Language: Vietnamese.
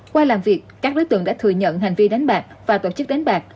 qua làm việc các đối tượng đã thừa nhận hành vi đánh bạc và tổ chức đánh bạc